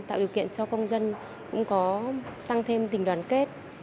và cho công dân cũng có tăng thêm tình đoàn kết